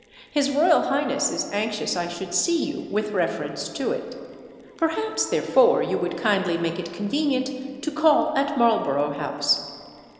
His royal highness is anxious I should see you with reference to it. Perhaps, therefore, you would kindly make it convenient to call at Marlborough House.